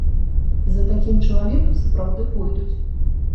І за такім чалавекам сапраўды пойдуць.